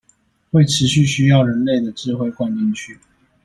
會持續需要人類的智慧灌進去